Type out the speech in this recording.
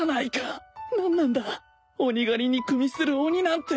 何なんだ鬼狩りにくみする鬼なんて